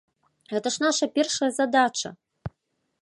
Гэта ж наша першая задача!